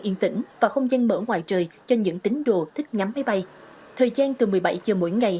yên tĩnh và không gian mở ngoài trời cho những tính đồ thích ngắm máy bay thời gian từ một mươi bảy h mỗi ngày